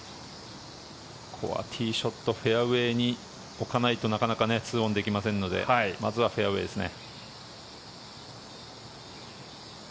ここはティーショットフェアウェーに置かないとなかなか２オンできませんのでまずはフェアウェーですね。